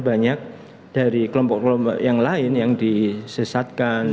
banyak dari kelompok kelompok yang lain yang disesatkan